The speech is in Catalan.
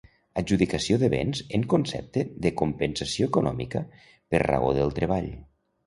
Adjudicació de béns en concepte de compensació econòmica per raó del treball.